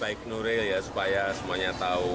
baik nuril ya supaya semuanya tahu